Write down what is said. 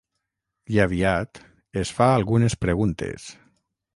I aviat es fa algunes preguntes.